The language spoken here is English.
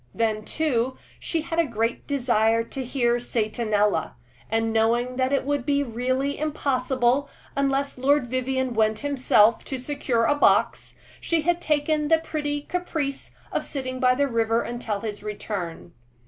Then, too, she had a great desire to hear "Satanella," and knowing that it would be really impossible, unless Lord Vivianne went himself, to secure a box, she had taken the pretty caprice of sitting by the river until his return.